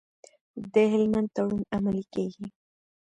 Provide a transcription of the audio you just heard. د هلمند تړون عملي کیږي؟